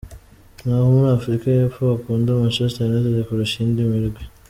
Naho muri Afrika y'epfo bakunda Manchester United kurusha iyindi mirwi.